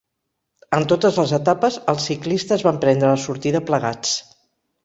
En totes les etapes els ciclistes van prendre la sortida plegats.